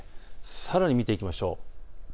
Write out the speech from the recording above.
さらに見ていきましょう。